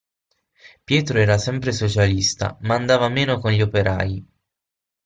Pietro era sempre socialista, ma andava meno con gli operai.